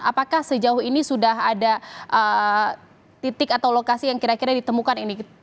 apakah sejauh ini sudah ada titik atau lokasi yang kira kira ditemukan ini